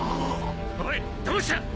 おいどうした！？